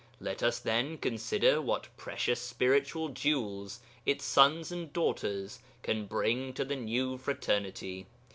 Let us, then, consider what precious spiritual jewels its sons and daughters can bring to the new Fraternity.